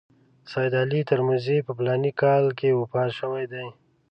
سید علي ترمذي په فلاني کال کې وفات شوی دی.